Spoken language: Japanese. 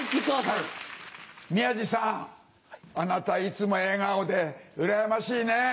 宮治さんあなたいつも笑顔でうらやましいね。